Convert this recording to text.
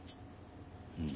うん。